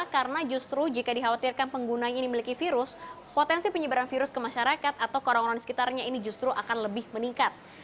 karena justru jika dikhawatirkan pengguna ini memiliki virus potensi penyebaran virus ke masyarakat atau ke orang orang di sekitarnya ini justru akan lebih meningkat